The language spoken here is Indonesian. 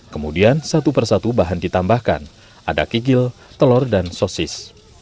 kemudian satu persatu bahan ditambahkan ada kikil telur dan sosis